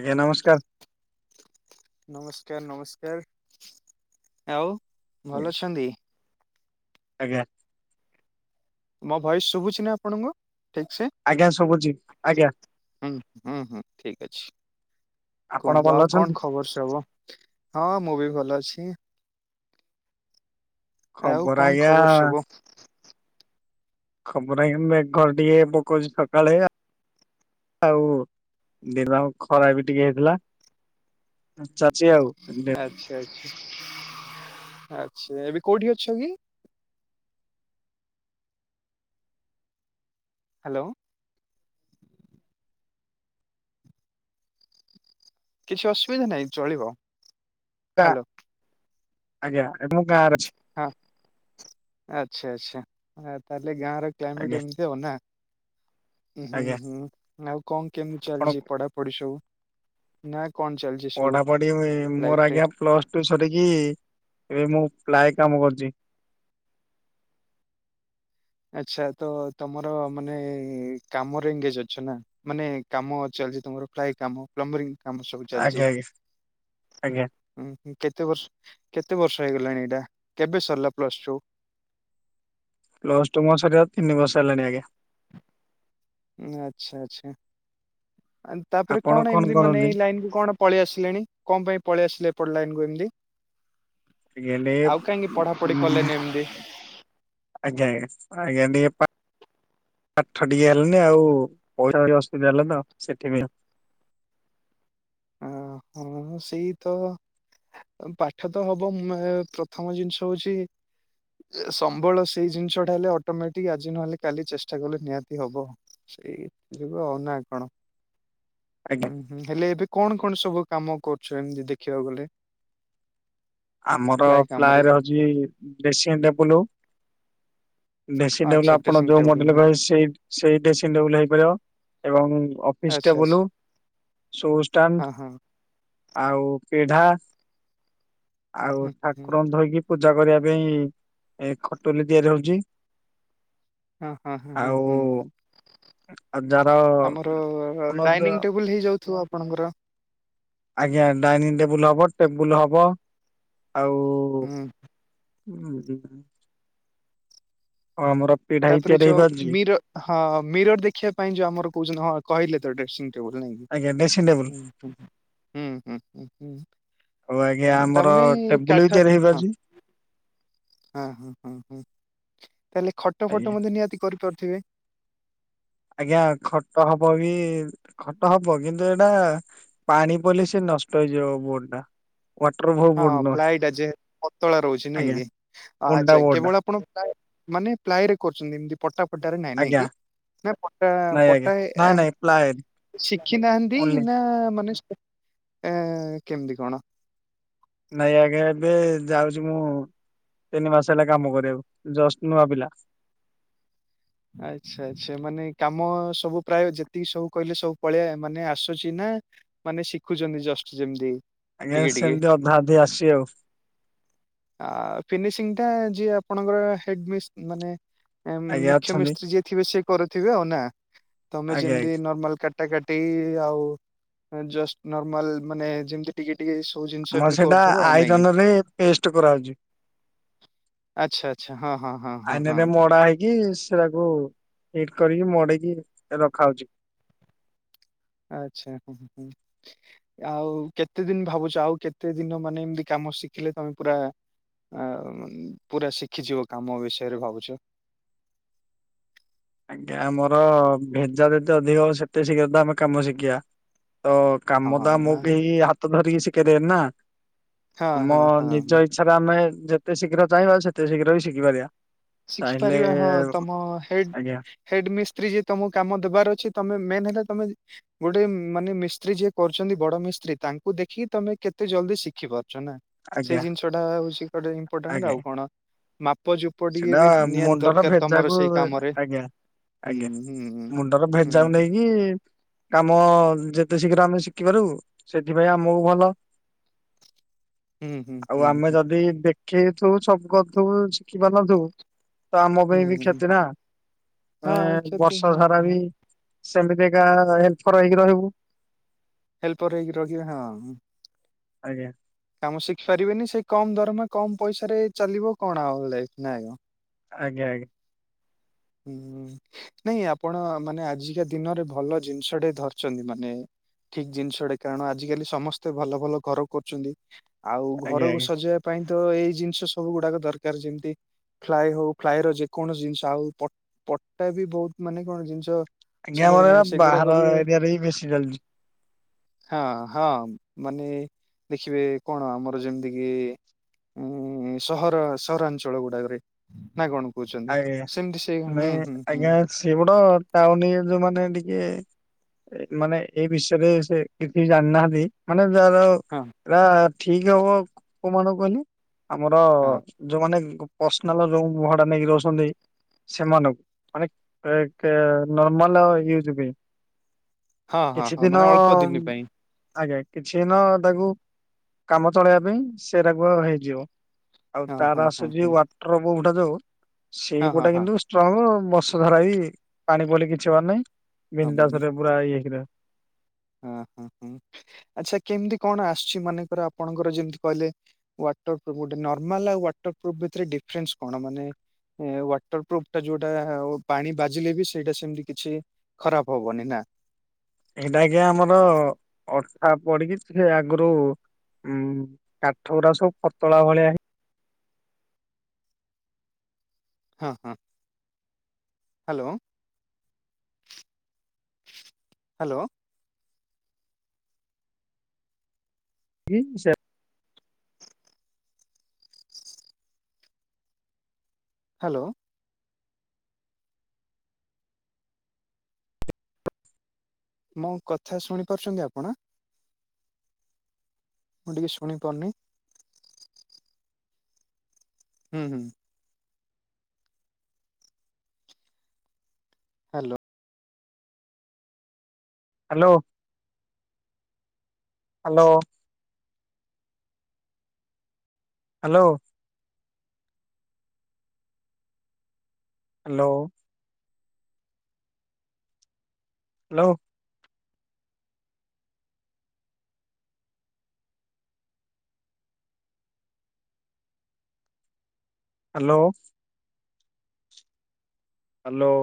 ଆଜ୍ଞା ନମସ୍କାର୍। ନମସ୍କାର୍ ନମସ୍କାର୍, ଆଉ ଭଲ ଅଛନ୍ତି? ଆଜ୍ଞା। ମୋ ଭଏସ୍ ଶୁଭୁଛି ନା ଆପଣଙ୍କୁ ଠିକ୍ ସେ? ଆଜ୍ଞା ଶୁଭୁଚି। ହୁଁ, ହୁଁ ହୁଁ ଠିକ୍ ଅଛି। ଆପଣ କୁହନ୍ତୁ ଭଲ ଆଉ ଅଛନ୍ତି? କଣ ଖବର୍ ସବୁ? ହଁ, ମୁଁ ବି ଭଲ ଅଛି। ଆଉ ଖବର କଁ ଆଜ୍ଞା ଖବର୍ ସବୁ? ଖବର ଏଇ ମେଘ ଟିକେ ପକୋଉଚି ସକାଳିଆ। ଆଉ ଦିନ ଖରା ବି ଟିକେ ହେଇଥିଲା। ଅଁ, ଚାଲିଚି ଆଉ, [inaudible] ଆଚ୍ଛା, ଆଚ୍ଛା ଏବେ କୋଉଠି ଅଛ କି? ହ୍ୟାଲୋ। କିଛି ଅସୁବିଧା ନାହିଁ ଚଳିବ। ହ୍ୟାଲୋ କା-ଆଜ୍ଞା, ଏବେ ମୁଁ ଗାଁର ହଁ ଆଚ୍ଛା, ଆଚ୍ଛା ଆ, ତାହେଲେ ଗାଁର କ୍ଲାଇମେଟ୍ ଆଜ୍ଞା ଏମିତି ଆଉ ନା? ଉଁ, ହୁଁ, ଆଜ୍ଞା ହୁଁ ଆଉ କଣ କେମିତି ଆପଣ ଚାଲିଚି ପଢ଼ା ପଢ଼ି ସବୁ? ନା କଣ ଚାଲିଚି ସବୁ ଲାଇଫ୍ ରେ? ପ୍ଲସ୍ ଟୁ ସରିକି, ଏବେ ମୁଁ ପ୍ଲାଏ କାମ କରୁଚି। ଆଚ୍ଛା ତ ତୋମର ମାନେ କାମରେ ଏଙ୍ଗେଜ ଅଛ ନା? ମାନେ କାମ ଚାଲିଚି ତୋମର ପ୍ଲାଇ କାମ ପ୍ଲମ୍ବରିଂ। କାମ ସବୁ ଆଜ୍ଞା ଚାଲିଚି। ଆଜ୍ଞା ଆଜ୍ଞା ଅଁ, ହୁଁ, କେତେ ବର୍ଷ, କେତେ ବର୍ଷ ହେଇଗଲାଣି ଏଇଟା କେବେ ସରିଲା ପ୍ଲସ୍ ଟୁ? ପ୍ଲସ୍ ଟୁ ମୋର ସରିବା ତିନି ବର୍ଷ ହେଲାଣି ଆଜ୍ଞା। ଆଚ୍ଛା, ଆଚ୍ଛା ଆ, ତାପରେ ଆପଣ କଣ ଏମିତି ମାନେ କରନ୍ତି ଏଇ ଲାଇନକୁୁ କଣ? ପଳେଇ ଆସିଲେଣି କଣ ପାଇଁ ପଳେଇ ଆସିଲେ ଏପଟ ଲାଇନ କୁ ଏମିତି? ଆଜ୍ଞା ଆଉ କାହିଁକି ପଢ଼ା ପଢ଼ି ଟିକେ କଲେନି ଏମତି? ଆଜ୍ଞା, ଆଜ୍ଞା, ଆଜ୍ଞା ଟିକେ ପା ପାଠ ଟିକେ ହେଲାନି, ଆଉ ପଇସା ବି ଟିକେ ଅସୁବିଧା ହେଲା ତ ସେଥିପାଇଁ। ଓ ହଁ ସେଇ ତ ପାଠ ତ ହବ ମେ ପ୍ରଥମ ଜିନିଷ ହଉଛି ଏ ସମ୍ବଳ ସେଇ ଜିନିଷଟା ହେଲେ ଅଟୋମେଟିକ ଆଜି ନହେଲେ କାଲି ଚେଷ୍ଟା କଲେ ନିହାତି ହବ। ସେଇ ଯିବ ଆଉ ନା କଣ ଆଜ୍ଞା। ହୁଁ, ହୁଁ ହେଲେ ଏବେ କଣ କଣ ସବୁ କାମ କରୁଛ ଏମିତି ଦେଖିବାକୁ ଗଲେ। ଆମର ପ୍ଲାଏ ରେ ହଉଚି ଡ୍ରେସିଂ ଟେବୁଲ ଡ୍ରେସିଂଟେବୁଲ ଆଚ୍ଛା ଆପଣ ଡ୍ରେସିଂ ଯୋଉ ଟେବୁଲ ମଡେଲ ହୁଁ କହିବେ ସେଇ ସେଇ ଡ୍ରେସିଂଟେବୁଲ ହେଇପାରିବ। ଏବଂ ଅ ଫିସ୍ ଆଚ୍ଛା ଟେବଲୁ, ଆଚ୍ଛା ସୁ ଷ୍ଟାଣ୍ଡ୍ ହଁ ହଁ ଆଉ ପିଢା। ଆଉ ହୁଁ ହୁଁ। ଠାକୁରଙ୍କୁ ଧୋଇକି ପୂଜା କରିବା ପାଇଁ ଏ ଖଟୁଲି ତିଆରି ହଉଚି। ହଁ, ହଁ, ହଁ, ହଁ, ହୁଁ, ହୁଁ। ଆଉ ଯାହାର ଆମର ଡାଇନିଂ ଟେବୁଲ୍ ହେଇଯାଉଥିବ ଆପଣଙ୍କର? ଆଜ୍ଞା ଡାଇନିଂ ଟେବୁଲ୍ ହବ, ଟେବୁଲ୍ ହବ। ଆଉ ହୁଁ ଉଁ, ଆଉ ଆମର ପିଢା ବି ତାପରେ ତିଆରି ଯୋଉ ହେଇପାରୁଛି ମିର ହଁ ମିରର୍ ଦେଖିବା ପାଇଁ ଯୋଉ ଆମର କହୁଚନ୍ତି ହଁ କହିଲେ ତ ଡ୍ରେସିଂ ଟେବୁଲ୍ ନାଇଁ। ଆଜ୍ଞା ଡ୍ରେସିଂ ଟେବୁଲ ଉଁ, ହୁଁ, ହୁଁ, ହୁଁ, ହୁଁ। ଆଉ ଆଜ୍ଞା ଉଁ, ଆମର ତାମାନେ ଏଇ ଟେବୁଲ ବି କାଠ ତିଆରି ହଁ ହେଇପାରୁଛି ଆ, ହଁ, ହଁ, ହଁ ତାହେଲେ ଖଟ ଆଜ୍ଞା ଫଟ ମଧ୍ୟ ନିହାତି କରିପାରୁଥିବେ? ଆଜ୍ଞା ଖଟ ହବ ବି, ଖଟ ହବ କିନ୍ତୁ ଏଟା ପାଣିପଇଲେ ସେ ନଷ୍ଟ ହେଇଯିବ ବୋର୍ଡ ଟା। ୱଃଟର୍ ଭୋ-' ହଁ ପ୍ଲାଇଟା ଯେ ପତଳା ରହୁଛି ନାଇଁ ଆଜ୍ଞା କି? କୁଣ୍ଡା ଆଚ୍ଛା ବୋର୍ଡ ଟା କେବଳ ଆପଣ ମାନେ ପ୍ଲାଏ ରେ କରୁଛନ୍ତି। ଏମତି ପଟା ଫଟାରେ ନାଇଁ ନାଇଁ ଆଜ୍ଞା କି? ନା ପଟା ନାଇଁ ଆଜ୍ଞା ପଟା ନାଇଁ ନାଇଁ ପ୍ଲାଏ ଏମ ଶିଖି ନାହାନ୍ତି, ଓନ୍ଲି ନା ମାନେ ଏ, କେମିତି କଣ? ନାଇଁ ଆଜ୍ଞା ଏବେ ଯାଉଛି ମୁଁ ତିନିମାସ ହେଲା କାମ କରିବାକୁ। ଜଷ୍ଟ ନୂଆ ପିଲା। ଆଚ୍ଛା, ଆଚ୍ଛା ମାନେ କାମ ସବୁ ପ୍ରାୟ ଯେତିକି ସବୁ କହିଲେ ସବୁ ପଳେ ମାନେ ଆସୁଛି ନା ମାନେ ଶିଖୁଛନ୍ତି ଜଷ୍ଟ ଯେମିତି? ଆଜ୍ଞା ଟିକେ ଟିକେ ସେମିତି ଅଧା ଅଧି ଆସୁଚି ଆଉ ଆ ଫିନିସିଂ ଟା ଯିଏ ଆପଣଙ୍କର ହେଡ୍ ମିସ୍ ମାନେ ଆ ଆଜ୍ଞା ମୁଖ୍ୟ ଅଛନ୍ତି ମିସ୍ତ୍ରୀ ଯିଏ ଥିବେ ସେଏ କରିଥିବେ ଆଉ ନା ତମେ ଆଜ୍ଞା ଯେମିତି ଆଜ୍ଞା ନର୍ମାଲା କା କଟା କାଟି ଆଉ ଜସ୍ ନମାଲ ମାନେ ଯେମିତି ଟିକେ ଟିକେ ସବୁ ଜିନିଷ ଆମର ଏମିତି ସେଇଟା କରୁଥିବୁ ଆଉ ନାଇଁ ଆଇରନ କି ରେ ପେଷ୍ଟ କରାହଉଛି ଆଚ୍ଛା ଆଚ୍ଛା ହଁ ହଁ ହଁ ହଁ ହଁ କି ସେଟାକୁ ହିଟ୍ କରିକି ମଡେଇକି ରଖାହଉଛି। ଆଚ୍ଛା ହୁଁ ହଁ ଆଉ କେତେ ଦିନ ଭାବୁଛ ଆଉ କେତେ ଦିନ ମାନେ ଏମତି କାମ ଶିଖିଲେ ତମେ ପୁରା ଆଉ ପୁରା ଶିଖିଯିବ କାମ ବିଷୟରେ ଭାବୁଛ ଆଜ୍ଞା ଆମର ଭେଜା ଭେଜି ଅଧିକ ହବ ସେତେ ଶୀଘ୍ର ତ ଆମେ କାମ ଶିଖିବା ତ ହଁ କାମ ତ ହଁ ଆମକୁ କେହି ହାତ ଧରିକି ଶିଖେଇ ଦେବେନିନା ଆମ ହଁ ହଁ ନିଜ ଇ ଛାରେ ଆମେ ଯେତେ ଶୀଘ୍ର ଚାହିଁବା ସେତେ ଶୀଘ୍ର ବି ଶିଖିପାରିବା ଚାହିଁଲେ ଶିଖିପାରିବା ହଁ ତମ ହେଡ ଆଜ୍ଞା ହେଡ ମିସ୍ତ୍ରୀ ଯେ ତମକୁ କାମ ଦେବାର ଅଛି ତମେ ମେନ୍ ହେଲା ତମେ ଗୋଟେ ମାନେ ମିସ୍ତ୍ରୀ ଯିଏ କରୁଛନ୍ତି ବଡ ମିସ୍ତ୍ରୀ ତାଙ୍କୁ ଦେଖିକି ତମେ କେତେ ଜଲଦି ଶିଖି ପାରୁଛ ନା ସେଇ ଆଜ୍ଞା ଜିନିଷଟା ହଉଛି ଗୋଟେ ଇମ୍ପୋର୍ଟାଣ୍ଟ ଆଜ୍ଞା। ଆଉ କଣ ମାପ ଯୁ ସେଟା ମୁଣ୍ଡର ଭେଜାକୁ କାମରେ ଆଜ୍ଞା ହୁଁ ଆଜ୍ଞା ହୁଁ ହୁଁ। ମୁଣ୍ଡର ଭେଜାମ ହୁଁ ନେଇକି କାମ ଯେତେ ଶୀଘ୍ର ଆମେ ଶିଖିପାରୁ ସେଥିପାଇଁ ଆମକୁ ଭଲ ହୁଁ ହୁଁ ଆଉ ହୁଁ ଆମେ ହୁଁ ଯଦି ଦେଖ କିଥୁ ସବୁ କରିଥୁ ଶିଖିପାରୁନଥୁବୁ ତ ଆମ ପାଇଁ ବି ହୁଁ ହୁଁ। କ୍ଷତି ନା ମ ହଁ କ୍ଷତି ବର୍ଷ ହଁ। ଧାରା ବି ସେମିତି ଏକା ହେଲଫର ହେଇକି ରହିବୁ ହେଲ୍ପର ହେଇକି ରଖିବେ ହଁ ଆଜ୍ଞା କାମ ଶିଖି ପାରିବେନି ସେଇ କମ ଦରମା କମ ପଇସାରେ ଚାଲିବ କଣ ଆଉ ଲାଇଫ ନା ଆ କ ଆଜ୍ଞା ଆଜ୍ଞା ହୁଁ ନାଇଁ ଆପଣ ମାନେ ଆଜିକା ଦିନରେ ଭଲ ଜିନିଷ ଟେ ଧରିଛନ୍ତି ମାନେ ଠିକ ଜିନିଷଟେ କାରଣ ଆଜିକାଲି ସମସ୍ତେ ଭଲ ଭଲ କର କୁ କରୁଛନ୍ତି ଆଉ ଆଜ୍ଞା ଘରକୁ ଆଜ୍ଞା ସଜେଇବା ପାଇଁ ତ ଏଇ ଜିନିଷ ସବୁ ଗୁଡାକ ଦରକାର ଯେମିତି ଫ୍ଲାଏ ହଉ ଫ୍ଲାଏ ର ଯେକୌଣସି ଜିନିଷ ଆଉ ତ ପଟା ବି ବହୁତ ମାନେ କଣ ଜିନିଷ ଆଜ୍ଞା ସୁବିଧା ଆମର ଏରା ହେଇଗଲାଣି ସେଗୁଡାକ ବାହାର ବି ଏରିଆରେ ହିଁ ବେଶି ଚାଲୁଚି ହଁ ହଁ ମାନେ ଦେଖିବେ କଣ ଆମର ଯେମିତି କି ଉଁ ସହର ସହରାଞ୍ଚଳ ଗୁଡାକରେ ନା କଣ କହୁଛନ୍ତି ଆଜ୍ଞା ସେମତି ସି ନାଇଁ ଆଜ୍ଞା ସିଏ ବଡନ ପାଉନି ଯୋଉ ମ ସେମାନେ ଟିକେ ମାନେ ଏଇ ବିଶ୍ୱରେ ସେ କିଛି ଜାନାହାନ୍ତି ମାନେ ହଁ ଯାହାର ଠିକ ହବ କମାନ କହନି ଆମର ହଁ। ଯୋଉମାନେ ପର୍ସନାଲ ଯୋଉ ଭଡା ନେଇକି ରହୁଛନ୍ତି। ସେମାନଙ୍କୁ ମାନେ ଏ କେ ନର୍ମାଲ ଉଜ ପାଇ ହଁ ହଁ କିଛି ହଁ ଦିନ ମାନେ ଅଳ୍ପ ଦିନ ପାଇଁ ଆଜ୍ଞା କିଛି ଦିନ ତାକୁ କାମ ଚଳେଇବା ପାଇଁ ସେରାକୁ ହେଇଯିବ ଆଉ ହଁ ହଁ ତାର ହଁ ଆସୁଛି ହଁ ୱାଟର ବୋଡା ଯୋଉ ସେଇ ହଁ ହଁ କୋଟା ହଁ କିନ୍ତୁ ଷ୍ଟ୍ରଙ୍ଗ ବଷ ଧାରା ବି ପାଣି ପଲି କିଛି ହବାର ନାହିଁ ହବନି ବିନନ୍ଦାସରେ ପୁରା ଇଏ ହେଇକି ରହିବ ହଁ ହଁ ହଁ ଆଚ୍ଛା କେମିତି କଣ ଆସୁଛି ମାନେଙ୍କର ଆପଣଙ୍କର ଯେମିତି କହିଲେ ୱାଟର ପ୍ରୁଫ୍ ଗୋଟେ ନର୍ମାଲ ଆଉ ୱାଟର୍ରୁଫ୍ ଭିତରେ ଡିଫରେନ୍ସ କଣ ମାନେ ଏ ୱାଟର ପ୍ରୁଫ ଟା ଯୋଉଟା ପାଣି ବାଜିଲେ ବି ସେଇଟା ସେମିତି କିଛି ଖରାପ ହବନି ନା ଏଇଟା ଆ କି୍ଞା ଆମର ଅଠା ପଡିକି ସେ ଆଗରୁ ହୁଁ କାଠ ଗୁଡା ସବୁ ପତଳା ଭଳିଆ ହେ ହଁ ହଁ ହ୍ୟାଲୋ ହ୍ୟାଲୋ ହ ସେ ହ୍ୟାଲୋ ମୋ କଥା ଶୁଣି ପାରୁଛନ୍ତି ଆପଣ ମୁଁ ଟିକେ ଶୁଣି ପାରୁନି ହୁଁ ହୁଁ hello hello hello hello hello hello hello hello